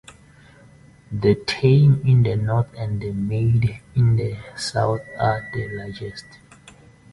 The Temne in the north and the Mende in the South are the largest.